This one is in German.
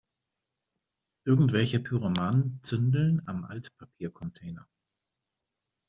Irgendwelche Pyromanen zündeln am Altpapiercontainer.